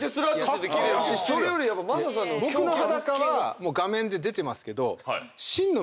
僕の裸はもう画面で出てますけど。